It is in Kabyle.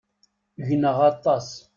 Gneɣ aṭas.